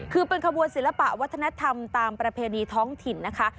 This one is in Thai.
คือเป็นขบวนศิลปะวัฒนธรรมตามประเพณีท้องถิ่นนะคะ